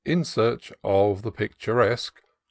IN SEARCH OF THE PICTURESaUE.